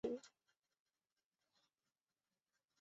捕鱼方法是守株待兔。